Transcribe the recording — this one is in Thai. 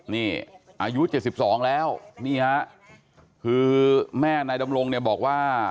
นี่อายุ๗๒แล้วนี่ฮะคือแม่นายดำรงเนี่ยบอกว่า